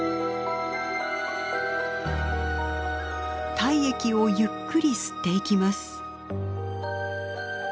体液をゆっくり吸っていきます。